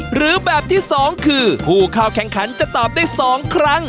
หรือแบบที่๒คือผู้เข้าแข่งขันจะตอบได้๒ครั้ง